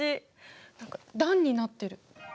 何か段になってる。